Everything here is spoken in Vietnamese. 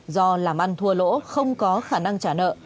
do làm ăn thua lỗ không có khả năng trả nợ